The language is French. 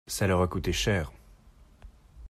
ça leur a coûté cher.